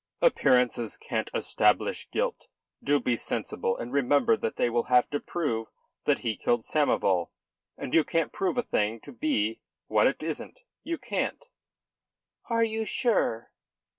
"Appearances can't establish guilt. Do be sensible, and remember that they will have to prove that he killed Samoval. And you can't prove a thing to be what it isn't. You can't!" "Are you sure?"